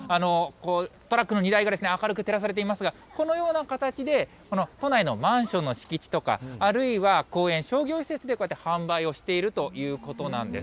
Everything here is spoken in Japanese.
トラックの荷台が明るく照らされていますが、このような形で、この都内のマンションの敷地とか、あるいは、公園、商業施設でこうやって販売をしているということなんです。